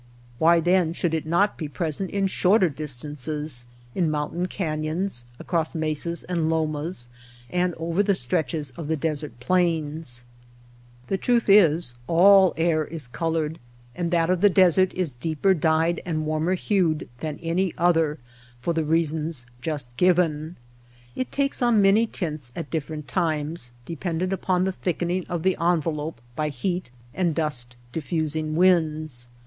Why then should it not be present in shorter distances, in moun tain canyons, across mesas and lomas, and over the stretches of the desert plains ? The truth is all air is colored, and that of LIGHT, AIR, AND COLOR 85 the desert is deeper dyed and warmer liued than any other for the reasons just given. It takes on many tints at different times, dependent upon the thickening of the envelope by heat and dust diffusing winds.